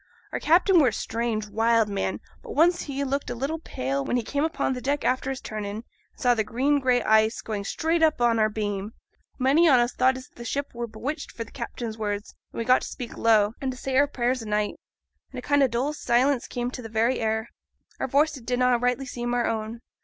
Our captain were a strange, wild man, but once he looked a little pale when he came upo' deck after his turn in, and saw the green gray ice going straight up on our beam. Many on us thought as the ship were bewitched for th' captain's words; and we got to speak low, and to say our prayers o' nights, and a kind o' dull silence came into th' very air; our voices did na' rightly seem our own.